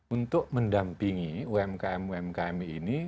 untuk mendampingi umkm umkm ini